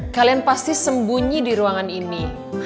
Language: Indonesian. kalian pasti sembunyi di ruangan ini